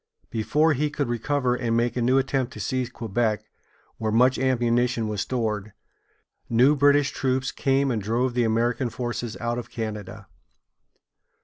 Before he could recover and make a new attempt to seize Quebec, where much ammunition was stored, new British troops came and drove the American forces out of Canada.